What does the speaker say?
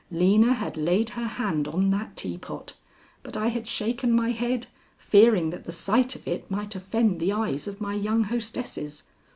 Lena had laid her hand on that teapot, but I had shaken my head, fearing that the sight of it might offend the eyes of my young hostesses.